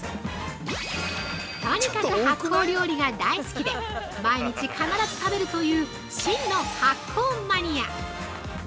とにかく発酵料理が大好きで毎日必ず食べるという真の発酵マニア。